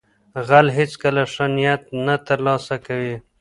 غل هیڅکله ښه نتیجه نه ترلاسه کوي